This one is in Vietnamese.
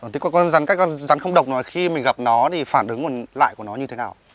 thế còn con rắn không độc khi mình gặp nó thì phản ứng lại của nó như thế nào